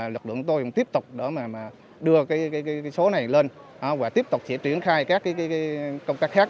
lực lượng tôi cũng tiếp tục đưa số này lên và tiếp tục triển khai các công tác khác